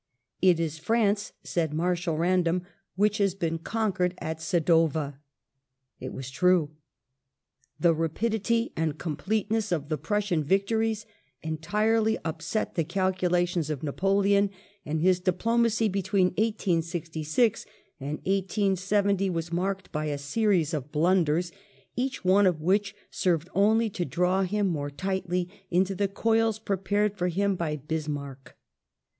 It is France," said Mai*shal Random, '* which has been conquered at Sadowa." It was true. The rapidity and completeness of the Prussian victories entirely upset the calculations of Napoleon, and his diplomacy between 1866 and 1870 was marked by a series of blundei s, each one of which served only to draw him more tightly into the coils prepared for him by Bismarck.